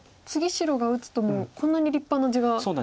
次白が打つともうこんなに立派な地が。